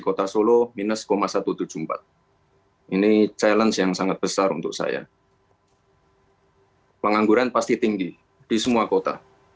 kota solo minus satu ratus tujuh puluh empat ini challenge yang sangat besar untuk saya pengangguran pasti tinggi di semua kota